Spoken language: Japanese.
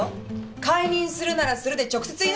解任するならするで直接言いなさいよ！